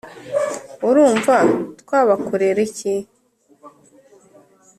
urumva twabakorera iki?